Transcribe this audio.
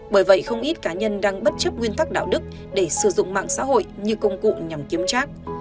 bởi vậy không ít cá nhân đang bất chấp nguyên tắc đạo đức để sử dụng mạng xã hội như công cụ nhằm kiếm trác